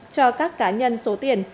cho các cá nhân số tiền